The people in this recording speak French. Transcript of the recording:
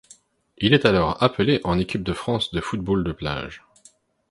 Il est alors appelé en équipe de France de football de plage.